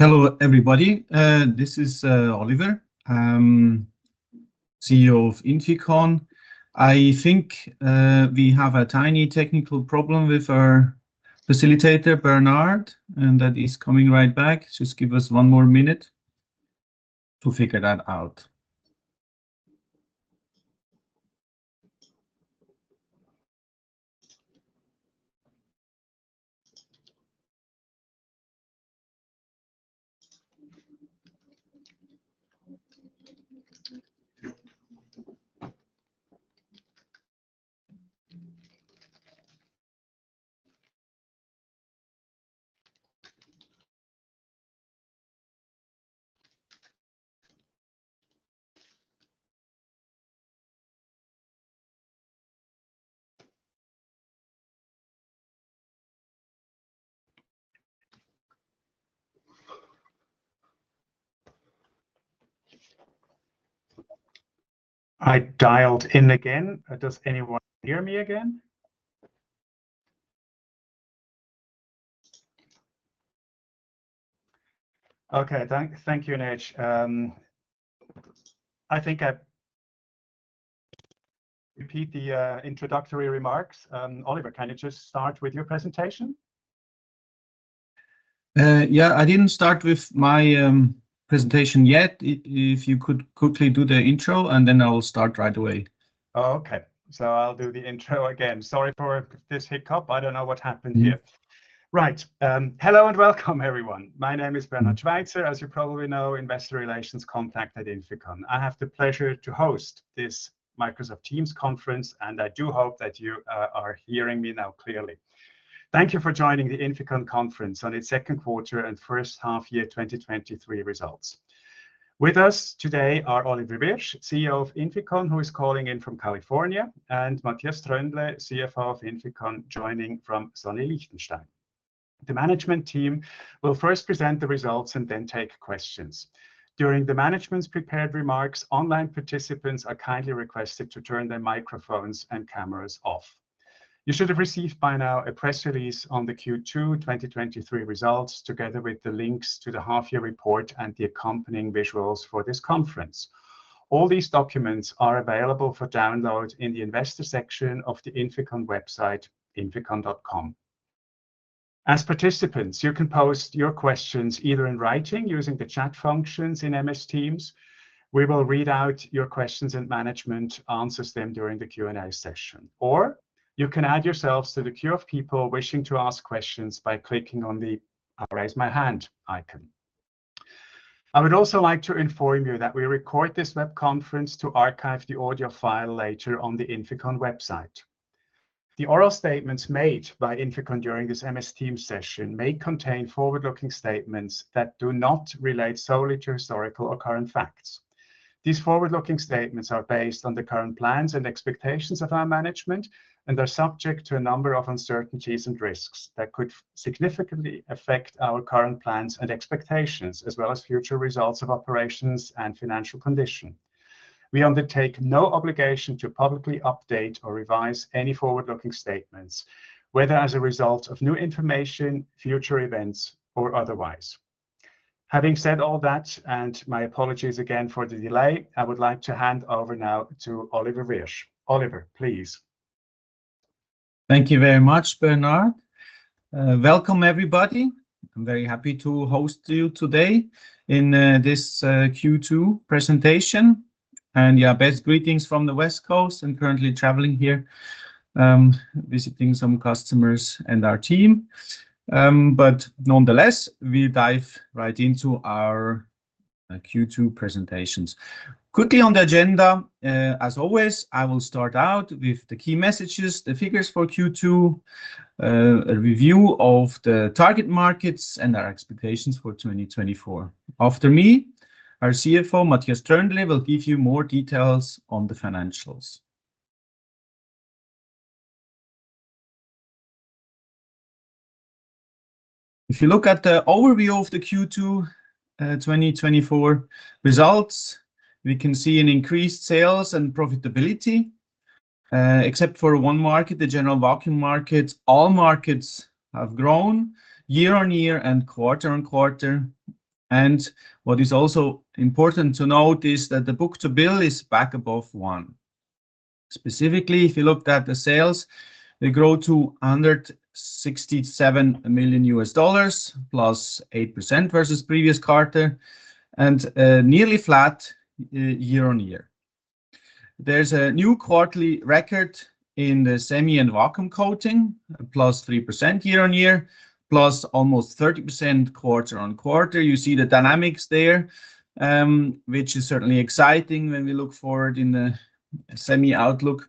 Hello, everybody. This is Oliver, Chief Executive Officer of INFICON. I think we have a tiny technical problem with our facilitator, Bernhard, and that is coming right back. Just give us one more minute to figure that out. I dialed in again. Does anyone hear me again? Okay, thank you, Nejc. I think I repeat the introductory remarks. Oliver, can you just start with your presentation? Yeah, I didn't start with my presentation yet. If you could quickly do the intro, and then I'll start right away. Okay, so I'll do the intro again. Sorry for this hiccup. I don't know what happened here. Right. Hello and welcome, everyone. My name is Bernhard Schweizer. As you probably know, investor relations Contact at INFICON. I have the pleasure to host this Microsoft Teams conference, and I do hope that you are hearing me now clearly. Thank you for joining the INFICON conference on its Q2 and H1 year 2023 results. With us today are Oliver Wyrsch, CEO of INFICON, who is calling in from California, and Matthias Tröndle, CFO of INFICON, joining from Liechtenstein. The management team will first present the results and then take questions. During the management's prepared remarks, online participants are kindly requested to turn their microphones and cameras off. You should have received by now a press release on the Q2 2023 results together with the links to the half-year report and the accompanying visuals for this conference. All these documents are available for download in the investor section of the INFICON website, inficon.com. As participants, you can post your questions either in writing using the chat functions in MS Teams. We will read out your questions and management answers them during the Q&A session, or you can add yourselves to the queue of people wishing to ask questions by clicking on the Raise My Hand icon. I would also like to inform you that we record this web conference to archive the audio file later on the INFICON website. The oral statements made by INFICON during this MS Teams session may contain forward-looking statements that do not relate solely to historical or current facts. These forward-looking statements are based on the current plans and expectations of our management and are subject to a number of uncertainties and risks that could significantly affect our current plans and expectations, as well as future results of operations and financial condition. We undertake no obligation to publicly update or revise any forward-looking statements, whether as a result of new information, future events, or otherwise. Having said all that, and my apologies again for the delay, I would like to hand over now to Oliver Wyrsch. Oliver, please. Thank you very much, Bernhard. Welcome, everybody. I'm very happy to host you today in this Q2 presentation. And yeah, best greetings from the West Coast. I'm currently traveling here, visiting some customers and our team. But nonetheless, we dive right into our Q2 presentations. Quickly on the agenda, as always, I will start out with the key messages, the figures for Q2, a review of the target markets, and our expectations for 2024. After me, our CFO, Matthias Tröndle, will give you more details on the financials. If you look at the overview of the Q2 2024 results, we can see an increased sales and profitability. Except for one market, the General Vacuum market, all markets have grown year-on-year and quarter-on-quarter. And what is also important to note is that the book-to-bill is back above one. Specifically, if you looked at the sales, they grow to $167 million, +8% versus previous quarter, and nearly flat year-on-year. There's a new quarterly record in the semi and vacuum coating, +3% year-on-year, +almost 30% quarter-on-quarter. You see the dynamics there, which is certainly exciting when we look forward in the semi outlook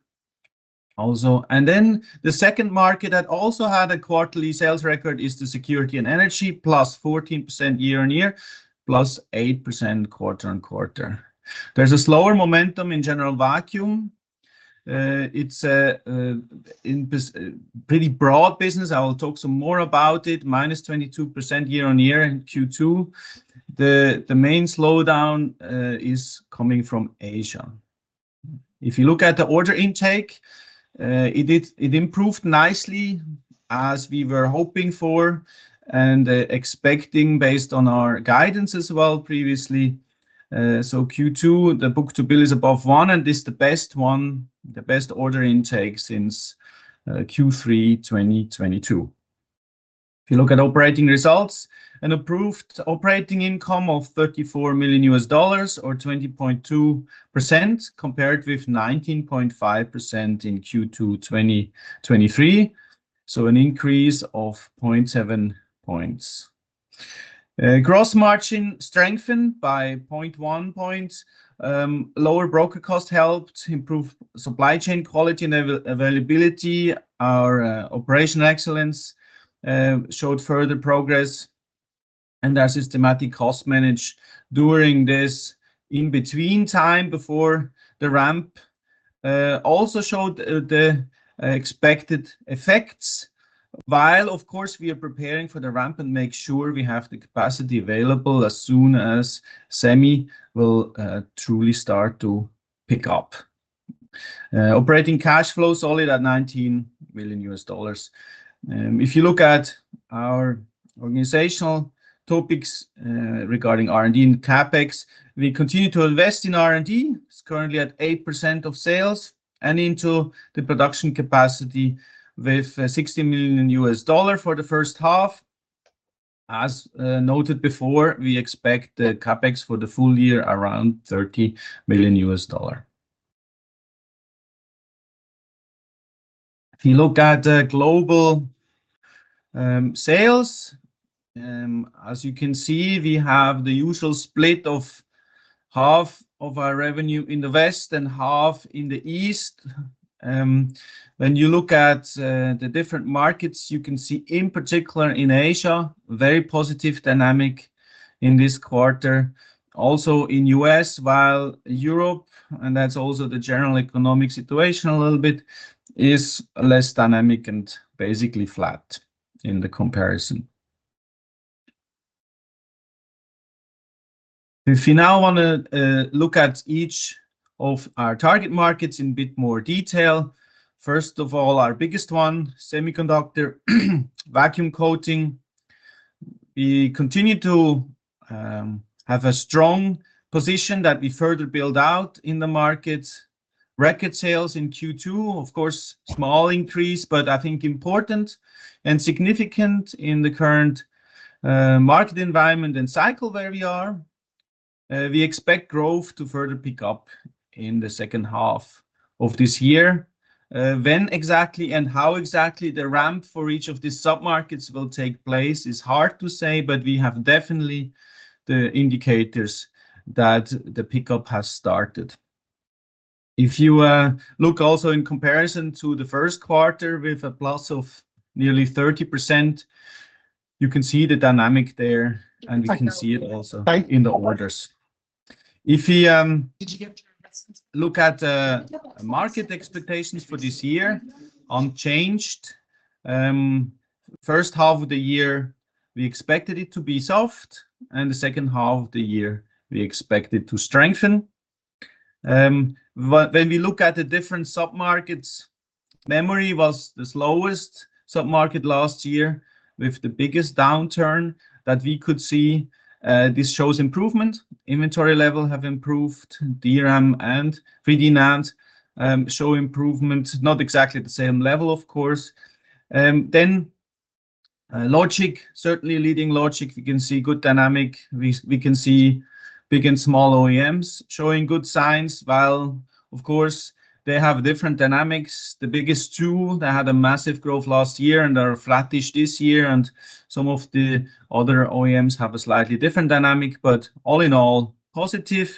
also. And then the second market that also had a quarterly sales record is the security and energy, +14% year-on-year, +8% quarter-on-quarter. There's a slower momentum in General Vacuum. It's a pretty broad business. I will talk some more about it, -22% year-on-year in Q2. The main slowdown is coming from Asia. If you look at the order intake, it improved nicely as we were hoping for and expecting based on our guidance as well previously. So Q2, the book-to-bill is above 1, and this is the best one, the best order intake since Q3 2022. If you look at operating results, an improved operating income of $34 million or 20.2% compared with 19.5% in Q2 2023. So an increase of 0.7 points. Gross margin strengthened by 0.1 points. Lower broker cost helped improve supply chain quality and availability. Our operational excellence showed further progress. And our systematic cost management during this in-between time before the ramp also showed the expected effects. While, of course, we are preparing for the ramp and make sure we have the capacity available as soon as semi will truly start to pick up. Operating cash flow solid at $19 million. If you look at our organizational topics regarding R&D and CapEx, we continue to invest in R&D. It's currently at 8% of sales and into the production capacity with $60 million for the H1. As noted before, we expect the CapEx for the full year around $30 million. If you look at global sales, as you can see, we have the usual split of half of our revenue in the west and half in the east. When you look at the different markets, you can see in particular in Asia, very positive dynamic in this quarter. Also in the US, while Europe, and that's also the general economic situation a little bit, is less dynamic and basically flat in the comparison. If you now want to look at each of our target markets in a bit more detail, first of all, our biggest one, semiconductor vacuum coating. We continue to have a strong position that we further build out in the markets. Record sales in Q2, of course, small increase, but I think important and significant in the current market environment and cycle where we are. We expect growth to further pick up in the second half of this year. When exactly and how exactly the ramp for each of these submarkets will take place is hard to say, but we have definitely the indicators that the pickup has started. If you look also in comparison to the first quarter with a plus of nearly 30%, you can see the dynamic there, and we can see it also in the orders. If you look at market expectations for this year, unchanged. H1 of the year, we expected it to be soft, and the H2 of the year, we expected to strengthen. When we look at the different submarkets, memory was the slowest submarket last year with the biggest downturn that we could see. This shows improvement. Inventory level have improved. DRAM and 3D NAND show improvement. Not exactly the same level, of course. Then logic, certainly leading logic, we can see good dynamic. We can see big and small OEMs showing good signs, while, of course, they have different dynamics. The biggest two, they had a massive growth last year and are flattish this year, and some of the other OEMs have a slightly different dynamic, but all in all, positive.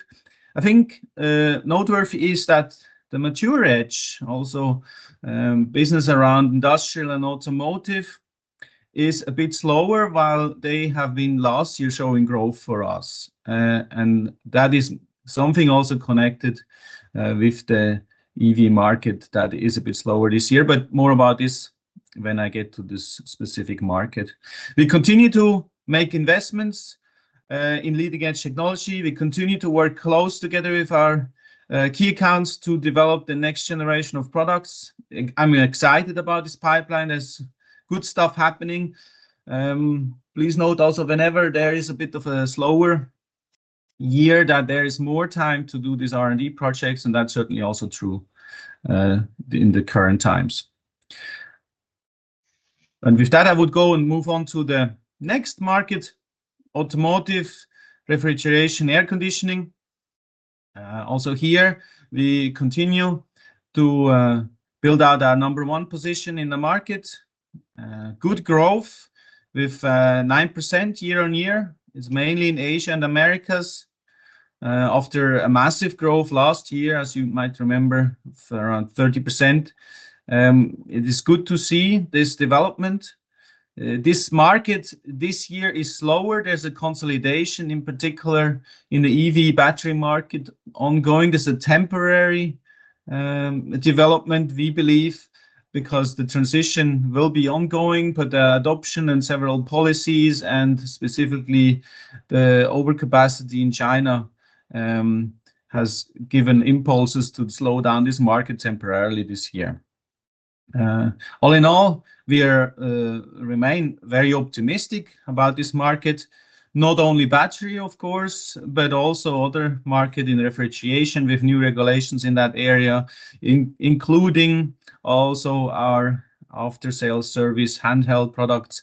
I think noteworthy is that the mature edge, also business around industrial and automotive, is a bit slower, while they have been last year showing growth for us. That is something also connected with the EV market that is a bit slower this year, but more about this when I get to this specific market. We continue to make investments in leading-edge technology. We continue to work close together with our key accounts to develop the next generation of products. I'm excited about this pipeline. There's good stuff happening. Please note also whenever there is a bit of a slower year, that there is more time to do these R&D projects, and that's certainly also true in the current times. With that, I would go and move on to the next market, automotive, refrigeration, air conditioning. Also here, we continue to build out our number one position in the market. Good growth with 9% year-on-year. It's mainly in Asia and Americas. After a massive growth last year, as you might remember, around 30%. It is good to see this development. This market this year is slower. There's a consolidation, in particular in the EV battery market, ongoing. There's a temporary development, we believe, because the transition will be ongoing, but the adoption and several policies, and specifically the overcapacity in China, has given impulses to slow down this market temporarily this year. All in all, we remain very optimistic about this market. Not only battery, of course, but also other market in refrigeration with new regulations in that area, including also our after-sales service, handheld products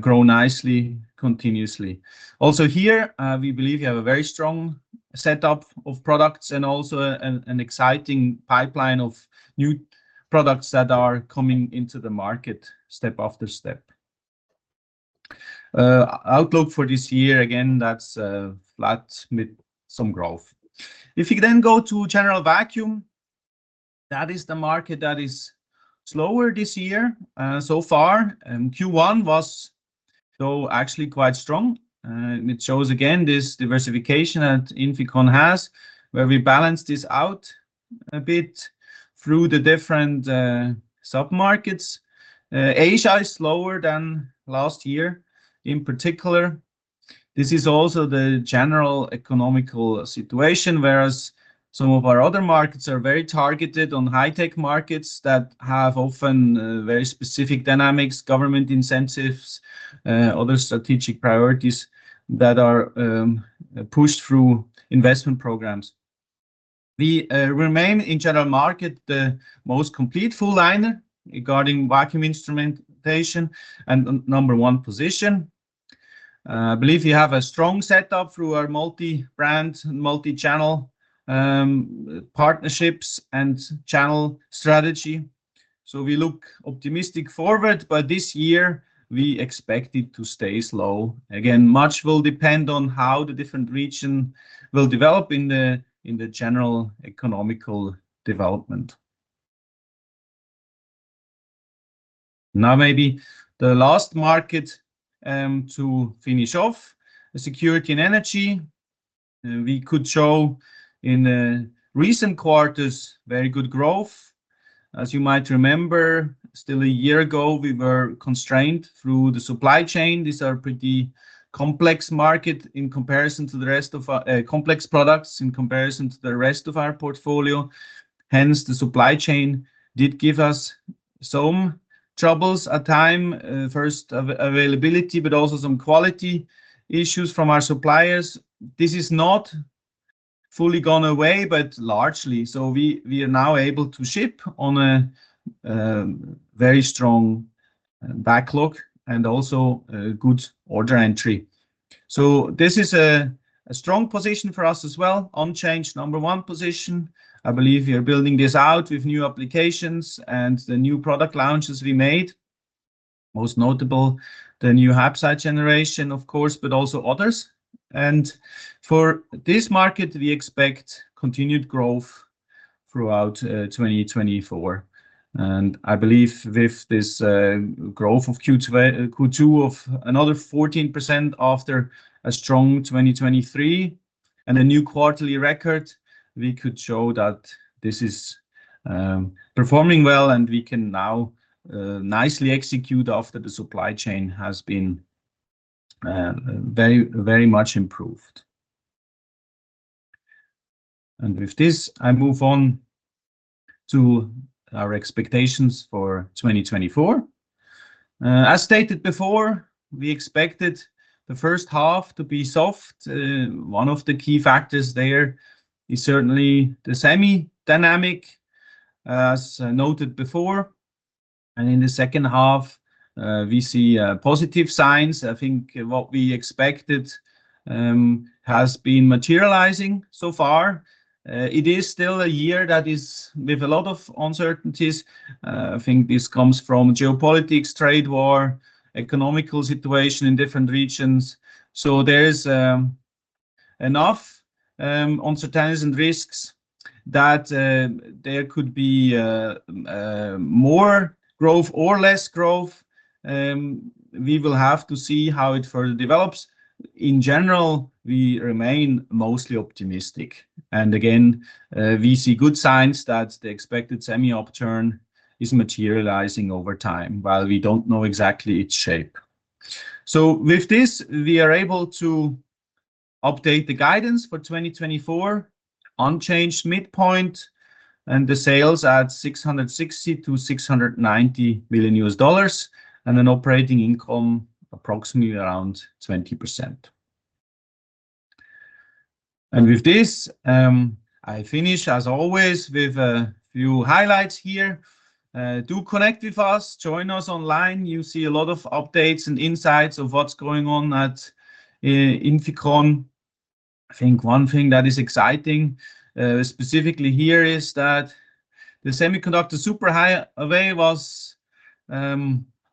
grow nicely continuously. Also here, we believe we have a very strong setup of products and also an exciting pipeline of new products that are coming into the market step after step. Outlook for this year, again, that's flat with some growth. If you then go to General Vacuum, that is the market that is slower this year. So far, Q1 was actually quite strong. It shows again this diversification that INFICON has, where we balance this out a bit through the different submarkets. Asia is slower than last year in particular. This is also the general economic situation, whereas some of our other markets are very targeted on high-tech markets that have often very specific dynamics, government incentives, other strategic priorities that are pushed through investment programs. We remain in general market the most complete full-liner regarding vacuum instrumentation and number one position. I believe we have a strong setup through our multi-brand, multi-channel partnerships and channel strategy. So we look optimistic forward, but this year we expect it to stay slow. Again, much will depend on how the different region will develop in the general economic development. Now maybe the last market to finish off, security and energy. We could show in the recent quarters very good growth. As you might remember, still a year ago, we were constrained through the supply chain. These are a pretty complex market in comparison to the rest of our complex products, in comparison to the rest of our portfolio. Hence, the supply chain did give us some troubles at times. First, availability, but also some quality issues from our suppliers. This is not fully gone away, but largely. So we are now able to ship on a very strong backlog and also good order entry. So this is a strong position for us as well, unchanged number one position. I believe we are building this out with new applications and the new product launches we made. Most notable, the new HAPSITE generation, of course, but also others. For this market, we expect continued growth throughout 2024. I believe with this growth of Q2 of another 14% after a strong 2023 and a new quarterly record, we could show that this is performing well and we can now nicely execute after the supply chain has been very, very much improved. With this, I move on to our expectations for 2024. As stated before, we expected the H1 to be soft. One of the key factors there is certainly the semiconductor dynamics, as noted before. In the H2, we see positive signs. I think what we expected has been materializing so far. It is still a year that is with a lot of uncertainties. I think this comes from geopolitics, trade war, economic situation in different regions. So there is enough uncertainties and risks that there could be more growth or less growth. We will have to see how it further develops. In general, we remain mostly optimistic. And again, we see good signs that the expected semi upturn is materializing over time, while we don't know exactly its shape. So with this, we are able to update the guidance for 2024, unchanged midpoint, and the sales at $660 million-$690 million and an operating income approximately around 20%. And with this, I finish as always with a few highlights here. Do connect with us, join us online. You see a lot of updates and insights of what's going on at INFICON. I think one thing that is exciting specifically here is that the semiconductor superhighway was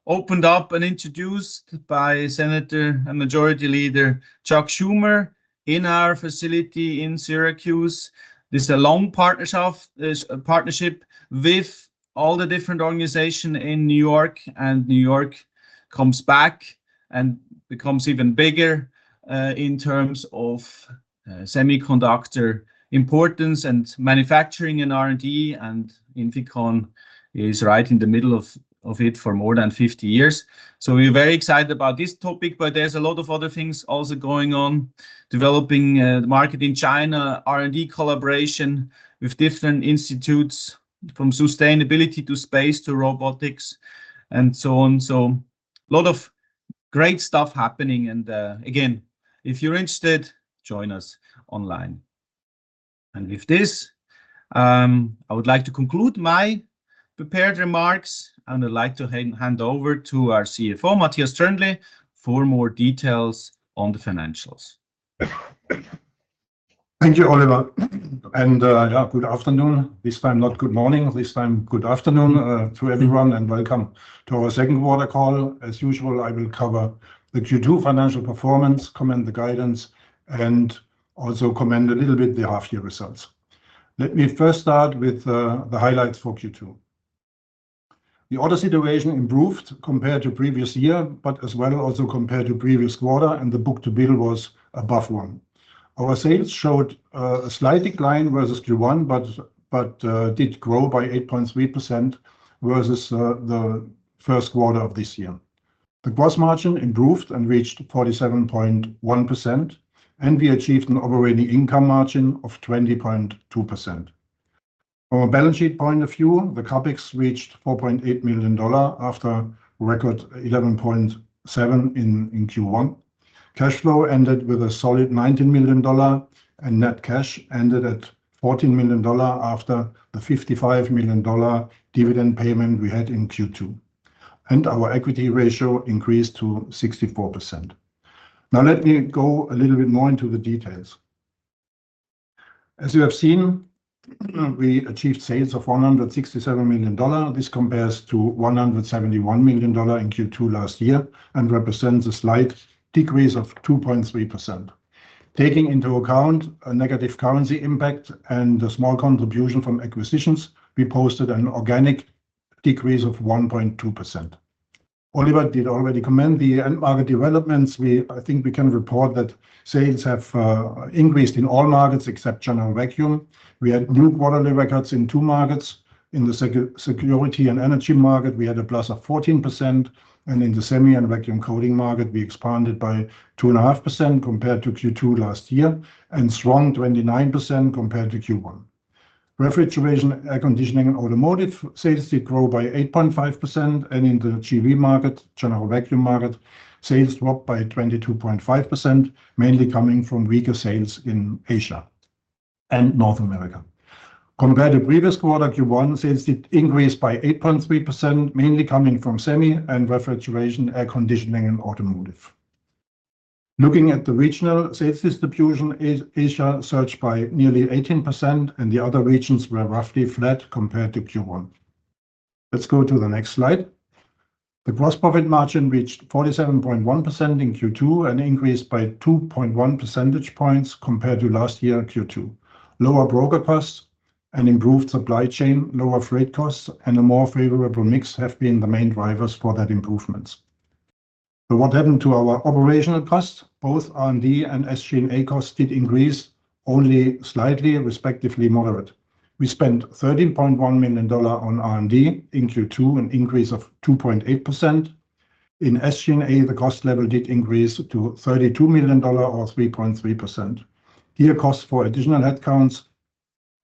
opened up and introduced by Senator and Majority Leader Chuck Schumer in our facility in Syracuse. This is a long partnership with all the different organizations in New York, and New York comes back and becomes even bigger in terms of semiconductor importance and manufacturing and R&D. INFICON is right in the middle of it for more than 50 years. We're very excited about this topic, but there's a lot of other things also going on. Developing the market in China, R&D collaboration with different institutes from sustainability to space to robotics and so on. A lot of great stuff happening. Again, if you're interested, join us online. With this, I would like to conclude my prepared remarks, and I'd like to hand over to our CFO, Matthias Tröndle, for more details on the financials. Thank you, Oliver. Good afternoon. This time, not good morning. This time, good afternoon to everyone and welcome to our Q2 call. As usual, I will cover the Q2 financial performance, comment on the guidance, and also comment a little bit on the half-year results. Let me first start with the highlights for Q2. The order situation improved compared to the previous year, but as well also compared to the previous quarter, and the book-to-bill was above one. Our sales showed a slight decline versus Q1, but did grow by 8.3% versus the Q1 of this year. The gross margin improved and reached 47.1%, and we achieved an operating income margin of 20.2%. From a balance sheet point of view, the CapEx reached $4.8 million after record $11.7 in Q1. Cash flow ended with a solid $19 million, and net cash ended at $14 million after the $55 million dividend payment we had in Q2. Our equity ratio increased to 64%. Now let me go a little bit more into the details. As you have seen, we achieved sales of $167 million. This compares to $171 million in Q2 last year and represents a slight decrease of 2.3%. Taking into account a negative currency impact and a small contribution from acquisitions, we posted an organic decrease of 1.2%. Oliver did already comment on the end market developments. I think we can report that sales have increased in all markets except General Vacuum. We had new quarterly records in two markets. In the security and energy market, we had a plus of 14%, and in the semi and vacuum coating market, we expanded by 2.5% compared to Q2 last year and strong 29% compared to Q1. Refrigeration, air conditioning, and automotive sales did grow by 8.5%, and in the GV market, general vacuum market, sales dropped by 22.5%, mainly coming from weaker sales in Asia and North America. Compared to the previous quarter, Q1 sales did increase by 8.3%, mainly coming from semi and refrigeration, air conditioning, and automotive. Looking at the regional sales distribution, Asia surged by nearly 18%, and the other regions were roughly flat compared to Q1. Let's go to the next slide. The gross profit margin reached 47.1% in Q2 and increased by 2.1 percentage points compared to last year Q2. Lower broker costs and improved supply chain, lower freight costs, and a more favorable mix have been the main drivers for that improvement. So what happened to our operational costs? Both R&D and SG&A costs did increase only slightly, respectively moderate. We spent $13.1 million on R&D in Q2, an increase of 2.8%. In SG&A, the cost level did increase to $32 million or 3.3%. Here, costs for additional headcounts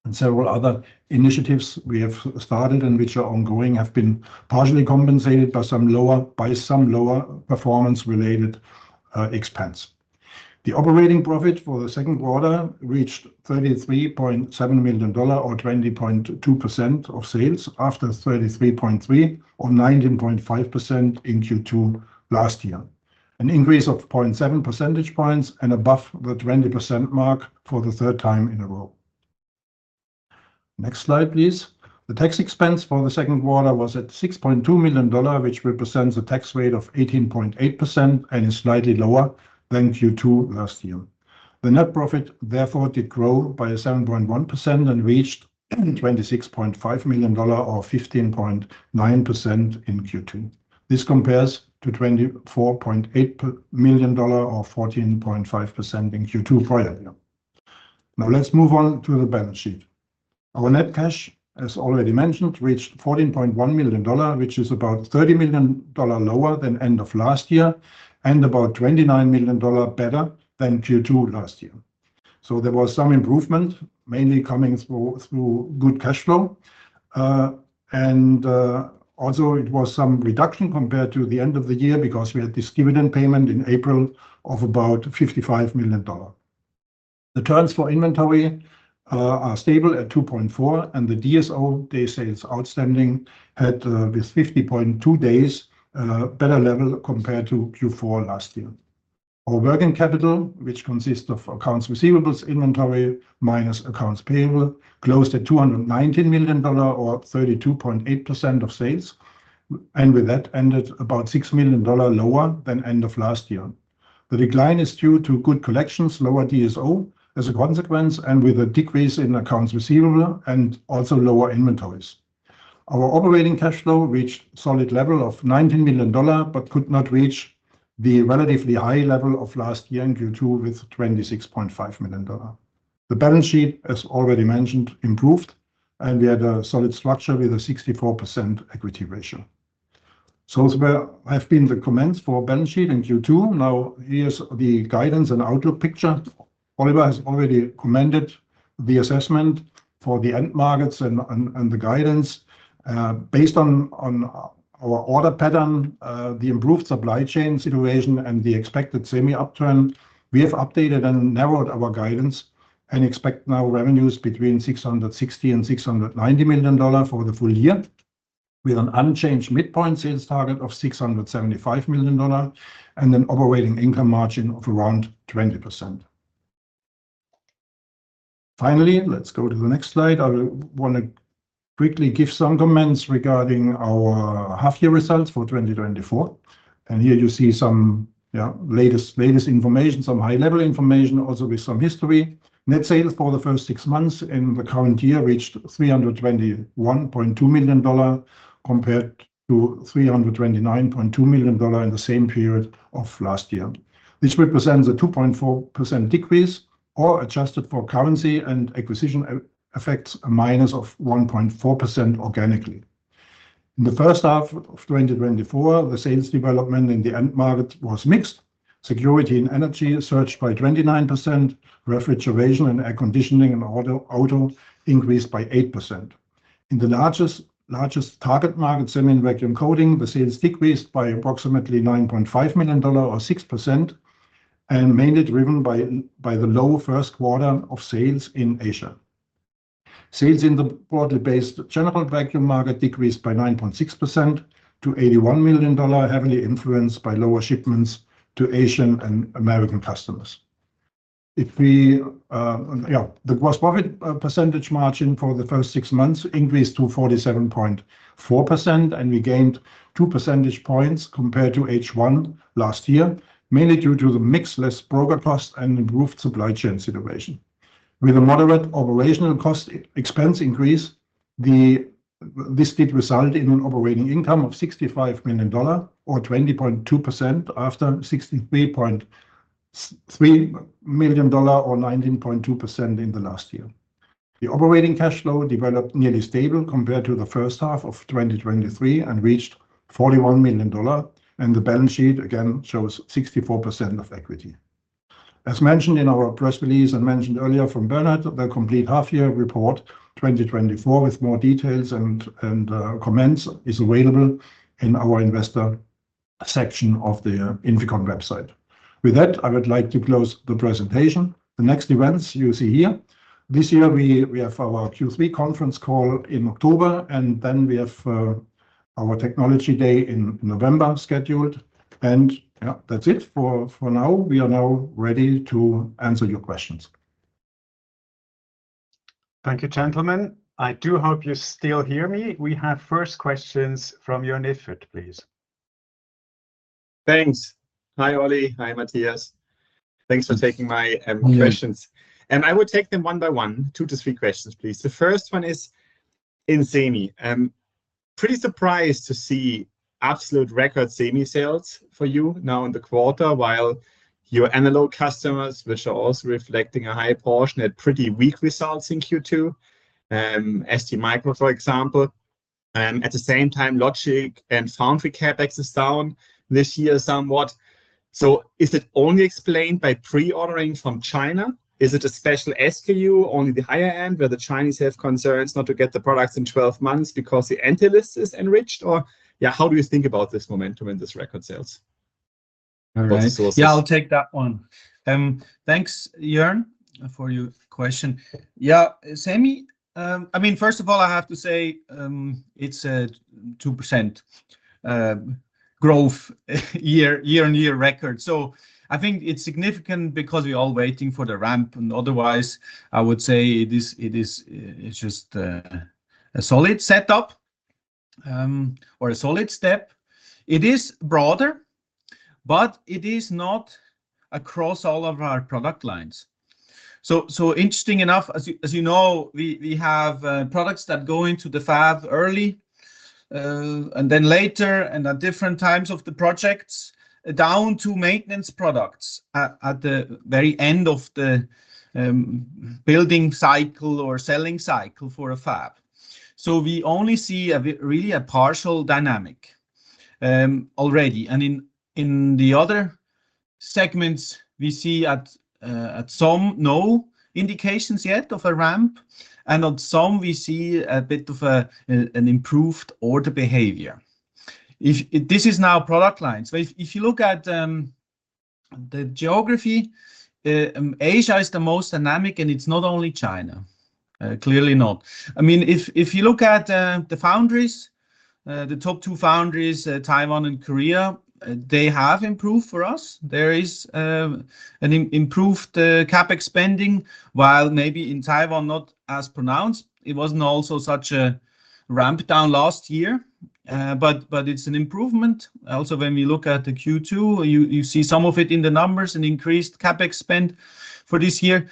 and several other initiatives we have started and which are ongoing have been partially compensated by some lower performance-related expense. The operating profit for the Q2 reached $33.7 million or 20.2% of sales after $33.3 or 19.5% in Q2 last year. An increase of 0.7 percentage points and above the 20% mark for the third time in a row. Next slide, please. The tax expense for the second quarter was at $6.2 million, which represents a tax rate of 18.8% and is slightly lower than Q2 last year. The net profit, therefore, did grow by 7.1% and reached $26.5 million or 15.9% in Q2. This compares to $24.8 million or 14.5% in Q2 prior year. Now let's move on to the balance sheet. Our net cash, as already mentioned, reached $14.1 million, which is about $30 million lower than end of last year and about $29 million better than Q2 last year. So there was some improvement, mainly coming through good cash flow. And also, it was some reduction compared to the end of the year because we had this dividend payment in April of about $55 million. The terms for inventory are stable at 2.4, and the DSO, Days Sales Outstanding, had with 50.2 days better level compared to Q4 last year. Our working capital, which consists of accounts receivables, inventory, minus accounts payable, closed at $219 million or 32.8% of sales, and with that ended about $6 million lower than end of last year. The decline is due to good collections, lower DSO as a consequence, and with a decrease in accounts receivable and also lower inventories. Our operating cash flow reached solid level of $19 million, but could not reach the relatively high level of last year in Q2 with $26.5 million. The balance sheet, as already mentioned, improved, and we had a solid structure with a 64% equity ratio. So there have been the comments for balance sheet in Q2. Now here's the guidance and outlook picture. Oliver has already commented the assessment for the end markets and the guidance. Based on our order pattern, the improved supply chain situation, and the expected semi upturn, we have updated and narrowed our guidance and expect now revenues between $660-$690 million for the full year with an unchanged midpoint sales target of $675 million and an operating income margin of around 20%. Finally, let's go to the next slide. I want to quickly give some comments regarding our half-year results for 2024. Here you see some latest information, some high-level information, also with some history. Net sales for the first six months in the current year reached $321.2 million compared to $329.2 million in the same period of last year. This represents a 2.4% decrease or adjusted for currency and acquisition effects a minus of 1.4% organically. In the first half of 2024, the sales development in the end market was mixed. Security and energy surged by 29%. Refrigeration and air conditioning and auto increased by 8%. In the largest target market, semi and vacuum coating, the sales decreased by approximately $9.5 million or 6% and mainly driven by the low first quarter of sales in Asia. Sales in the broadly based general vacuum market decreased by 9.6% to $81 million, heavily influenced by lower shipments to Asian and American customers. The gross profit percentage margin for the first six months increased to 47.4%, and we gained 2 percentage points compared to H1 last year, mainly due to the mixed less broker costs and improved supply chain situation. With a moderate operational cost expense increase, this did result in an operating income of $65 million or 20.2% after $63.3 million or 19.2% in the last year. The operating cash flow developed nearly stable compared to the H1 of 2023 and reached $41 million, and the balance sheet again shows 64% of equity. As mentioned in our press release and mentioned earlier from Bernard, the complete half-year report 2024 with more details and comments is available in our investor section of the INFICON website. With that, I would like to close the presentation. The next events you see here. This year we have our Q3 conference call in October, and then we have our technology day in November scheduled. That's it for now. We are now ready to answer your questions. Thank you, gentlemen. I do hope you still hear me. We have first questions from Joern Iffert, please. Thanks. Hi, Olli. Hi, Matthias. Thanks for taking my questions. I will take them one by one, two to three questions, please. The first one is in semi. I'm pretty surprised to see absolute record semi sales for you now in the quarter while your analog customers, which are also reflecting a high portion, had pretty weak results in Q2, SG Micro, for example. At the same time, Logic and Foundry CapEx is down this year somewhat. So is it only explained by pre-ordering from China? Is it a special SKU, only the higher end, where the Chinese have concerns not to get the products in 12 months because the end list is enriched? Or how do you think about this momentum in this record sales? Yeah, I'll take that one. Thanks, Joern, for your question. Yeah, semi. I mean, first of all, I have to say it's a 2% growth year-on-year record. So I think it's significant because we're all waiting for the ramp. And otherwise, I would say it is just a solid setup or a solid step. It is broader, but it is not across all of our product lines. So interesting enough, as you know, we have products that go into the fab early and then later and at different times of the projects down to maintenance products at the very end of the building cycle or selling cycle for a fab. So we only see really a partial dynamic already. And in the other segments, we see some, no indications yet of a ramp. And on some, we see a bit of an improved order behavior. This is now product lines. If you look at the geography, Asia is the most dynamic, and it's not only China, clearly not. I mean, if you look at the foundries, the top two foundries, Taiwan and Korea, they have improved for us. There is an improved CapEx spending, while maybe in Taiwan, not as pronounced. It wasn't also such a ramp down last year, but it's an improvement. Also, when we look at the Q2, you see some of it in the numbers, an increased CapEx spend for this year.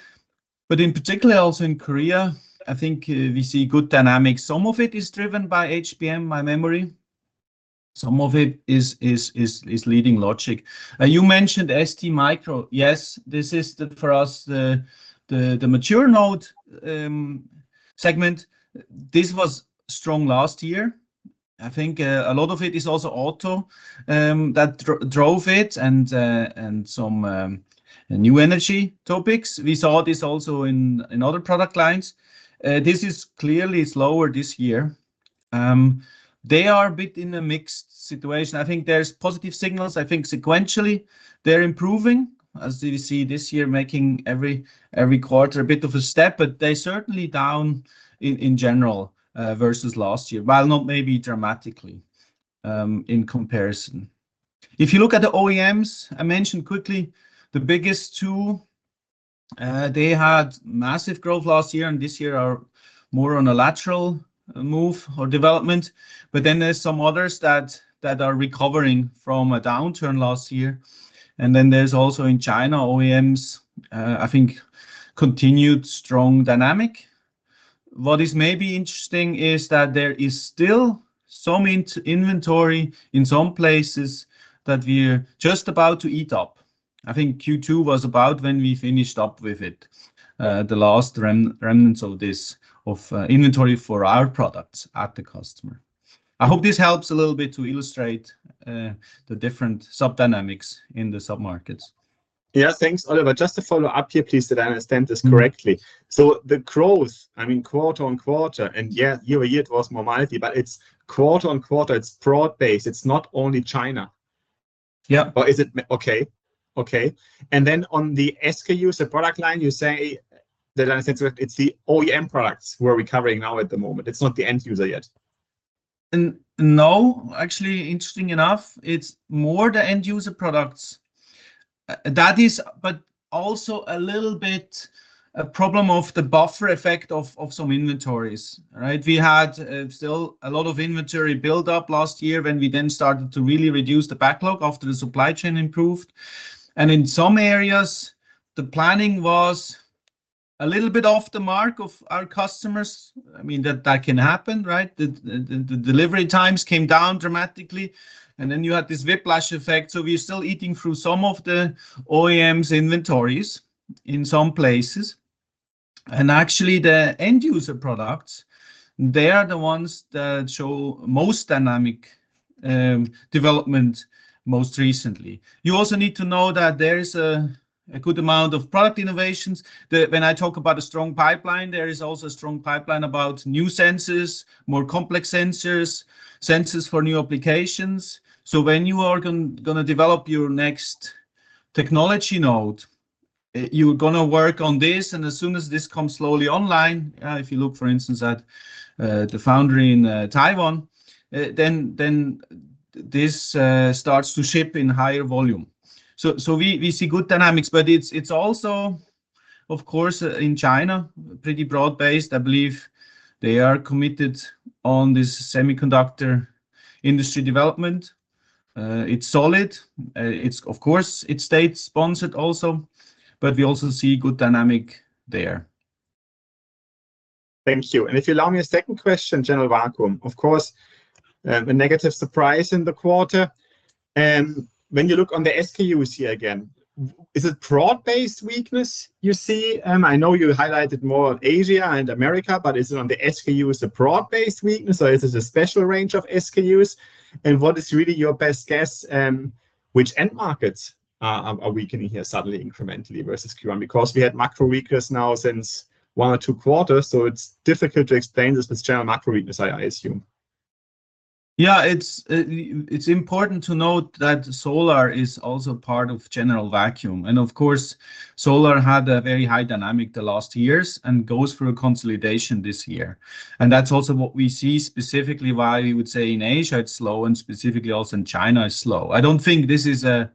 But in particular, also in Korea, I think we see good dynamics. Some of it is driven by HBM, my memory. Some of it is leading Logic. You mentioned ST Micro. Yes, this is for us the mature node segment. This was strong last year. I think a lot of it is also auto that drove it and some new energy topics. We saw this also in other product lines. This is clearly slower this year. They are a bit in a mixed situation. I think there's positive signals. I think sequentially, they're improving, as you see this year making every quarter a bit of a step, but they're certainly down in general versus last year, while not maybe dramatically in comparison. If you look at the OEMs, I mentioned quickly the biggest two, they had massive growth last year, and this year are more on a lateral move or development. But then there's some others that are recovering from a downturn last year. And then there's also in China, OEMs, I think continued strong dynamic. What is maybe interesting is that there is still some inventory in some places that we're just about to eat up. I think Q2 was about when we finished up with it, the last remnants of this of inventory for our products at the customer. I hope this helps a little bit to illustrate the different sub-dynamics in the sub-markets. Yeah, thanks, Oliver. Just to follow up here, please, did I understand this correctly? So the growth, I mean, quarter-on-quarter, and yeah, year-over-year, it was more mildly, but it's quarter-on-quarter, it's broad-based. It's not only China. Yeah. Or is it okay? Okay. And then on the SKU, the product line, you say that I sense it's the OEM products we're recovering now at the moment. It's not the end user yet. No, actually, interesting enough, it's more the end user products. That is, but also a little bit a problem of the buffer effect of some inventories, right? We had still a lot of inventory build-up last year when we then started to really reduce the backlog after the supply chain improved. And in some areas, the planning was a little bit off the mark of our customers. I mean, that can happen, right? The delivery times came down dramatically. And then you had this whiplash effect. So we're still eating through some of the OEMs' inventories in some places. And actually, the end user products, they are the ones that show most dynamic development most recently. You also need to know that there is a good amount of product innovations. When I talk about a strong pipeline, there is also a strong pipeline about new sensors, more complex sensors, sensors for new applications. So when you are going to develop your next technology node, you're going to work on this. And as soon as this comes slowly online, if you look, for instance, at the foundry in Taiwan, then this starts to ship in higher volume. So we see good dynamics, but it's also, of course, in China, pretty broad-based. I believe they are committed on this semiconductor industry development. It's solid. Of course, it state-sponsored also, but we also see good dynamic there. Thank you. If you allow me a second question, General Vacuum, of course, a negative surprise in the quarter. When you look on the SKUs here again, is it broad-based weakness you see? I know you highlighted more Asia and America, but is it on the SKUs a broad-based weakness, or is it a special range of SKUs? What is really your best guess which end markets are weakening here suddenly incrementally versus Q1? Because we had macro weakness now since one or two quarters, so it's difficult to explain this with general macro weakness, I assume. Yeah, it's important to note that solar is also part of General Vacuum. Of course, solar had a very high dynamic the last years and goes through a consolidation this year. That's also what we see, specifically why we would say in Asia it's slow and specifically also in China is slow. I don't think this is a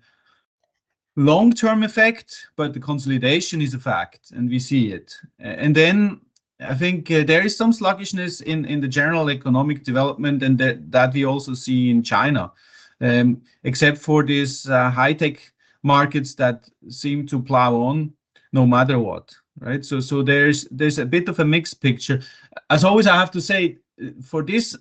long-term effect, but the consolidation is a fact, and we see it. Then I think there is some sluggishness in the general economic development and that we also see in China, except for these high-tech markets that seem to plow on no matter what, right? So there's a bit of a mixed picture. As always, I have to say for this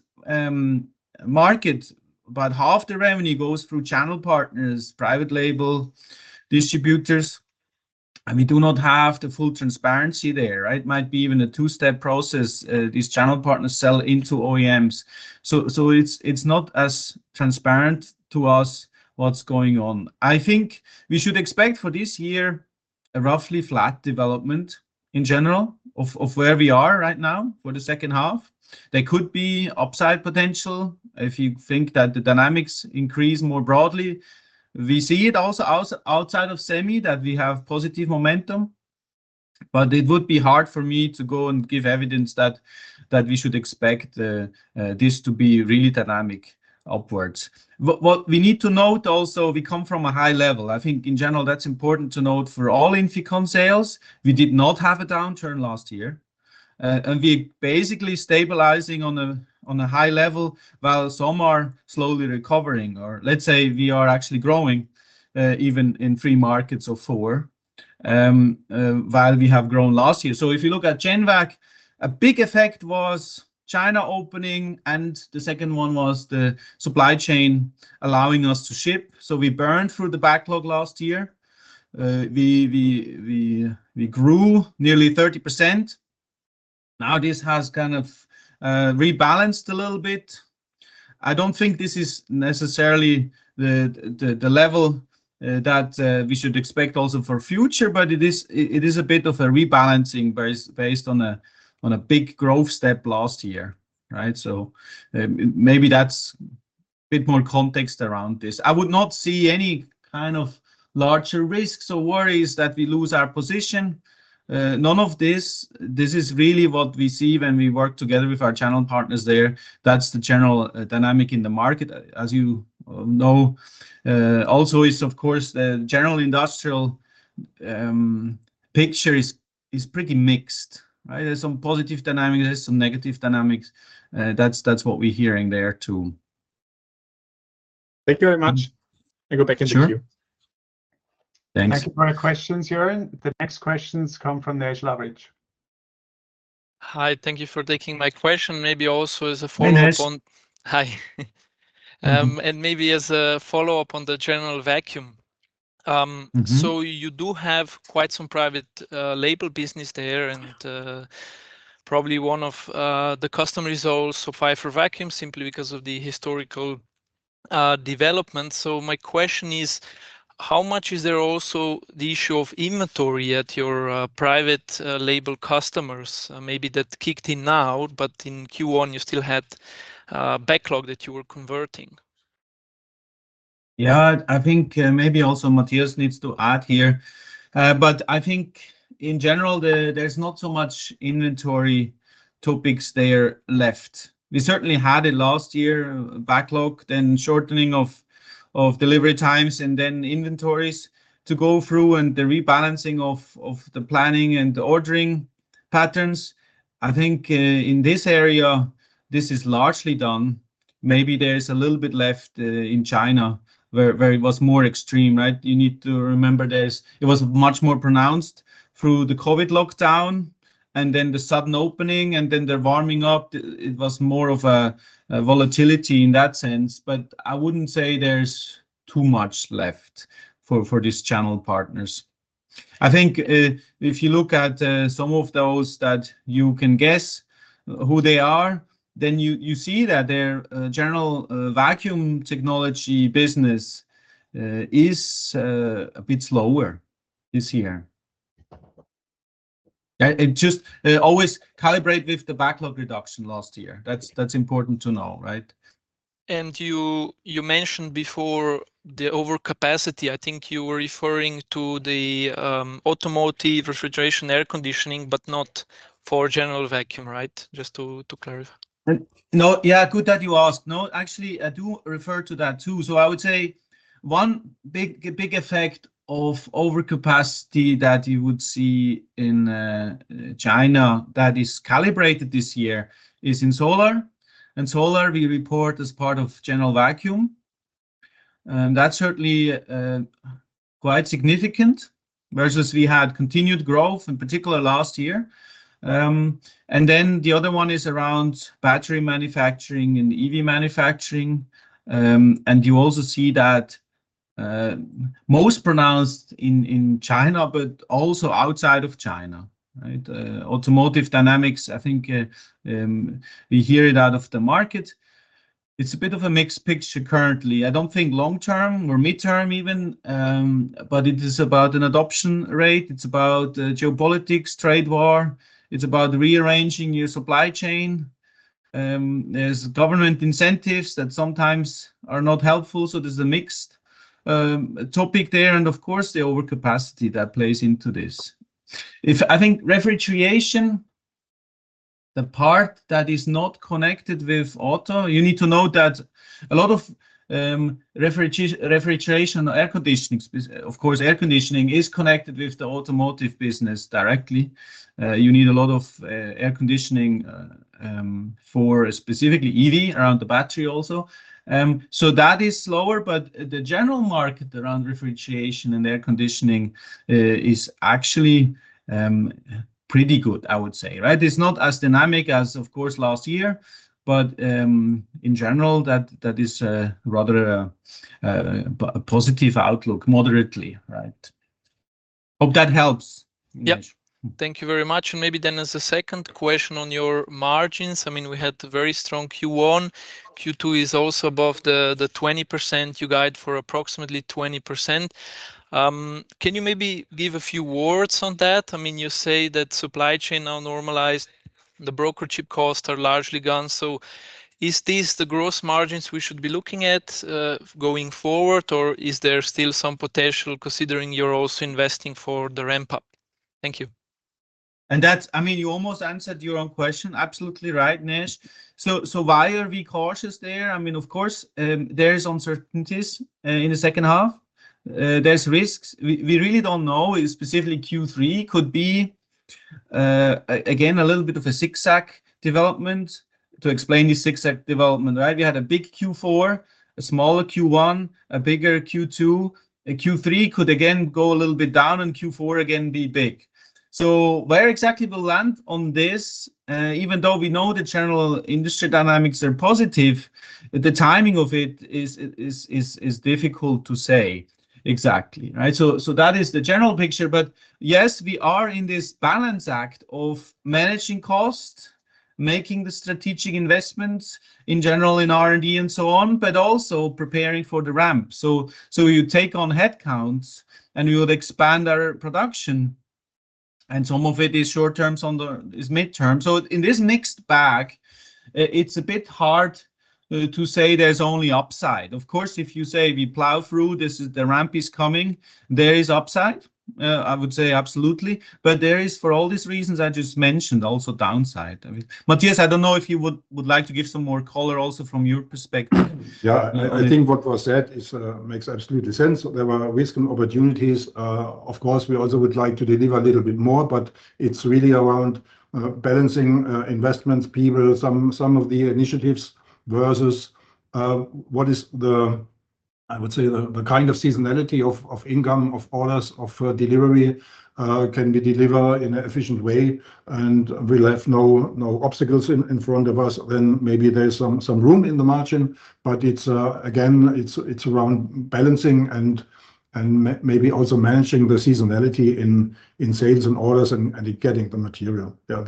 market, about half the revenue goes through channel partners, private label, distributors. We do not have the full transparency there, right? It might be even a two-step process. These channel partners sell into OEMs. So it's not as transparent to us what's going on. I think we should expect for this year a roughly flat development in general of where we are right now for the H2. There could be upside potential if you think that the dynamics increase more broadly. We see it also outside of semi that we have positive momentum, but it would be hard for me to go and give evidence that we should expect this to be really dynamic upwards. What we need to note also, we come from a high level. I think in general that's important to note for all INFICON sales. We did not have a downturn last year, and we're basically stabilizing on a high level while some are slowly recovering, or let's say we are actually growing even in three markets or four while we have grown last year. So if you look at GenVac, a big effect was China opening, and the second one was the supply chain allowing us to ship. So we burned through the backlog last year. We grew nearly 30%. Now this has kind of rebalanced a little bit. I don't think this is necessarily the level that we should expect also for future, but it is a bit of a rebalancing based on a big growth step last year, right? So maybe that's a bit more context around this. I would not see any kind of larger risks or worries that we lose our position. None of this. This is really what we see when we work together with our channel partners there. That's the general dynamic in the market, as you know. Also is, of course, the general industrial picture is pretty mixed, right? There's some positive dynamics, there's some negative dynamics. That's what we're hearing there too. Thank you very much. I'll go back into view. Thanks. Thank you for the questions, Joern. The next questions come from Nejc Lavrič. Hi, thank you for taking my question. And maybe as a follow-up on the General Vacuum. So you do have quite some private label business there and probably one of the customers also Leybold for vacuum simply because of the historical development. So my question is, how much is there also the issue of inventory at your private label customers? Maybe that kicked in now, but in Q1, you still had backlog that you were converting. Yeah, I think maybe also Matthias needs to add here. But I think in general, there's not so much inventory topics there left. We certainly had it last year, backlog, then shortening of delivery times, and then inventories to go through and the rebalancing of the planning and the ordering patterns. I think in this area, this is largely done. Maybe there's a little bit left in China where it was more extreme, right? You need to remember that it was much more pronounced through the COVID lockdown and then the sudden opening and then the warming up. It was more of a volatility in that sense. But I wouldn't say there's too much left for these channel partners. I think if you look at some of those that you can guess who they are, then you see that their General Vacuum technology business is a bit slower this year. Just always calibrate with the backlog reduction last year. That's important to know, right? And you mentioned before the overcapacity. I think you were referring to the automotive refrigeration air conditioning, but not for General Vacuum, right? Just to clarify. No, yeah, good that you asked. No, actually, I do refer to that too. So I would say one big effect of overcapacity that you would see in China that is calibrated this year is in solar. And solar we report as part of General Vacuum. That's certainly quite significant versus we had continued growth, in particular last year. And then the other one is around battery manufacturing and EV manufacturing. And you also see that most pronounced in China, but also outside of China, right? Automotive dynamics, I think we hear it out of the market. It's a bit of a mixed picture currently. I don't think long-term or mid-term even, but it is about an adoption rate. It's about geopolitics, trade war. It's about rearranging your supply chain. There's government incentives that sometimes are not helpful. So there's a mixed topic there. And of course, the overcapacity that plays into this. I think refrigeration, the part that is not connected with auto, you need to know that a lot of refrigeration or air conditioning, of course, air conditioning is connected with the automotive business directly. You need a lot of air conditioning for specifically EV around the battery also. So that is slower, but the general market around refrigeration and air conditioning is actually pretty good, I would say, right? It's not as dynamic as, of course, last year, but in general, that is rather a positive outlook, moderately, right? Hope that helps. Yep. Thank you very much. And maybe then as a second question on your margins, I mean, we had a very strong Q1. Q2 is also above the 20% you guide for approximately 20%. Can you maybe give a few words on that? I mean, you say that supply chain now normalized, the broker chip costs are largely gone. So is this the gross margins we should be looking at going forward, or is there still some potential considering you're also investing for the ramp-up? Thank you. And that's, I mean, you almost answered your own question. Absolutely right, Nejc. So why are we cautious there? I mean, of course, there's uncertainties in the second half. There's risks. We really don't know. Specifically, Q3 could be, again, a little bit of a zigzag development. To explain the zigzag development, right? We had a big Q4, a smaller Q1, a bigger Q2. Q3 could again go a little bit down, and Q4 again be big. So where exactly we'll land on this, even though we know the general industry dynamics are positive, the timing of it is difficult to say exactly, right? So that is the general picture. But yes, we are in this balancing act of managing costs, making the strategic investments in general in R&D and so on, but also preparing for the ramp. So you take on headcounts, and we would expand our production. And some of it is short-term on the midterm. So in this mixed bag, it's a bit hard to say there's only upside. Of course, if you say we plow through, this is the ramp is coming, there is upside, I would say absolutely. But there is, for all these reasons I just mentioned, also downside. Matthias, I don't know if you would like to give some more color also from your perspective. Yeah, I think what was said makes absolute sense. There were risks and opportunities. Of course, we also would like to deliver a little bit more, but it's really around balancing investments, people, some of the initiatives versus what is the, I would say, the kind of seasonality of income, of orders, of delivery, can we deliver in an efficient way. And we'll have no obstacles in front of us. Then maybe there's some room in the margin, but again, it's around balancing and maybe also managing the seasonality in sales and orders and getting the material. Yeah,